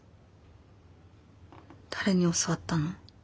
誰に教わったの？